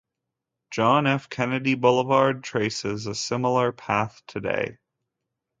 John F. Kennedy Boulevard traces a similar path today.